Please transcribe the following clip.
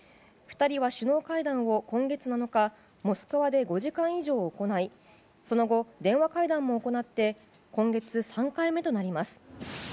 ２人は首脳会談を、今月７日モスクワで５時間以上行いその後、電話会談も行って今月３回目となります。